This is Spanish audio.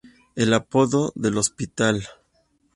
El apodo del hospital, ""St.